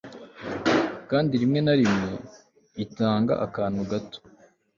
kandi rimwe na rimwe itanga akantu gato